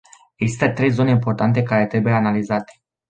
Există trei zone importante care trebuie analizate.